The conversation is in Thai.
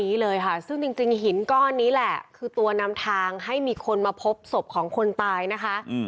นี้เลยค่ะซึ่งจริงหินก้อนนี้แหละคือตัวนำทางให้มีคนมาพบศพของคนตายนะคะ